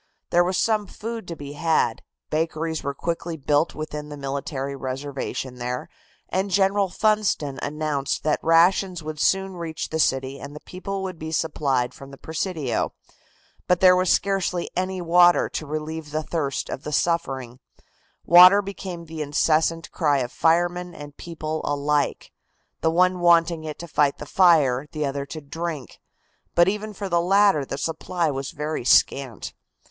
There was some food to be had, bakeries were quickly built within the military reservation there, and General Funston announced that rations would soon reach the city and the people would be supplied from the Presidio. But there was scarcely any water to relieve the thirst of the suffering. Water became the incessant cry of firemen and people alike, the one wanting it to fight the fire, the other to drink, but even for the latter the supply was very scant.